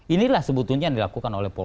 inilah sebetulnya yang dilakukan oleh polri